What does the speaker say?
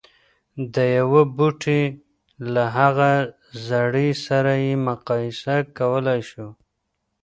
د يوه بوټي له هغه زړي سره يې مقايسه کولای شو.